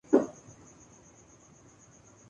Australasia